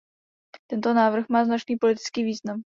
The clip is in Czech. Tento návrh má značný politický význam.